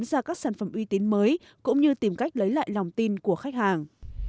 ra các sản phẩm uy tín mới cũng như tìm cách lấy lại lòng tin của khách hàng